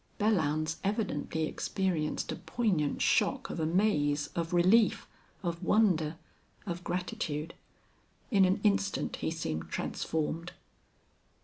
Belllounds evidently experienced a poignant shock of amaze, of relief, of wonder, of gratitude. In an instant he seemed transformed.